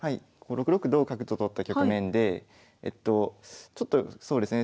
６六同角と取った局面でちょっとそうですね